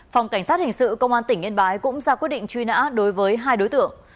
phòng cảnh sát hình sự công an tỉnh yên bái cũng ra quyết định truy nã đối với hai đối tượng